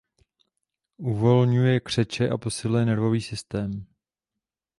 Uvolňuje křeče a posiluje nervový systém.